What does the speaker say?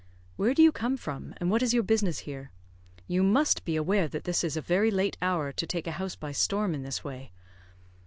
"Where do you come from, and what is your business here? You must be aware that this is a very late hour to take a house by storm in this way."